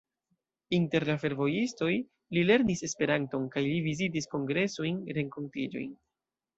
Inter la fervojistoj li lernis Esperanton kaj li vizitis kongresojn, renkontiĝojn.